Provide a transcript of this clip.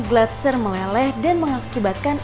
gletser meleleh dan mengakibatkan